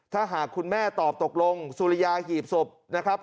ถ้าหากคุณแม่ตอบตกลงสุริยาหีบศพนะครับ